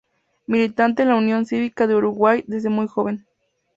Militante en la Unión Cívica del Uruguay desde muy joven.